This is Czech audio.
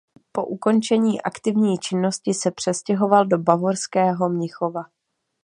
Po ukončení aktivní činnosti se přestěhoval do bavorského Mnichova.